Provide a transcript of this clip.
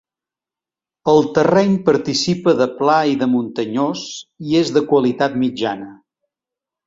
El terreny participa de pla i de muntanyós, i és de qualitat mitjana.